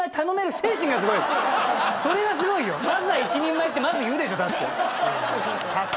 それがすごいよ。